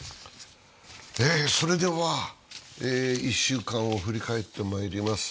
では、１週間を振り返ってまいります。